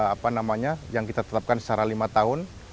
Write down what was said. apa namanya yang kita tetapkan secara lima tahun